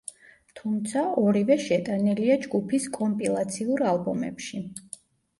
თუმცა, ორივე შეტანილია ჯგუფის კომპილაციურ ალბომებში.